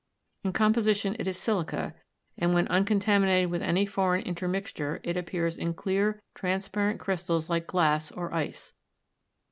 In composition it is silica, and when uncontaminated with any foreign intermixture it appears in clear, transparent crystals like glass or ice.